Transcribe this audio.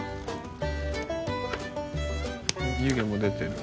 湯気も出てる。